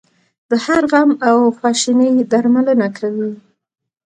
د هر غم او خواشینۍ درملنه کوي.